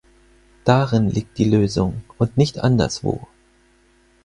Darin liegt die Lösung und nicht anderswo.